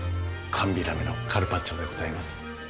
寒ビラメのカルパッチョでございます。